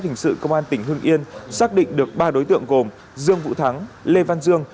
hình sự công an tỉnh hưng yên xác định được ba đối tượng gồm dương vũ thắng lê văn dương